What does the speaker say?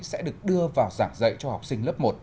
sẽ được đưa vào giảng dạy cho học sinh lớp một